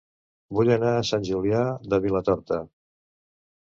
Vull anar a Sant Julià de Vilatorta